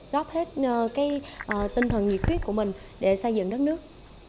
góp hết cái tinh thần nhiệt quyết của mình để xây dựng đất nước